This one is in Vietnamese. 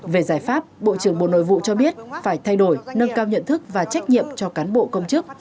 về giải pháp bộ trưởng bộ nội vụ cho biết phải thay đổi nâng cao nhận thức và trách nhiệm cho cán bộ công chức